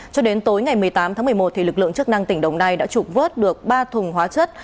cho đến tối ngày một mươi tám tháng một mươi một lực lượng chức năng tỉnh đồng nai đã trục vớt được ba thùng hóa chất